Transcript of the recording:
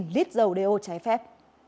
lít dầu đeo trái phép